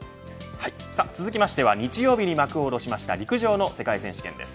続きましては、日曜日に幕を下ろしました陸上の世界選手権です。